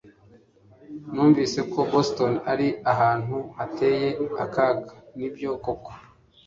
Numvise ko Boston ari ahantu hateye akaga Nibyo koko?